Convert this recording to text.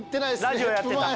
ラジオやってた。